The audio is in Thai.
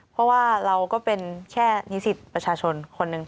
เพราะว่าเราก็เป็นแค่นิสิตประชาชนคนหนึ่ง